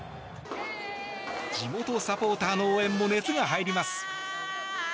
地元サポーターの応援も熱が入ります。